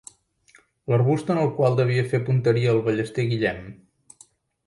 L'arbust en el qual devia fer punteria el ballester Guillem.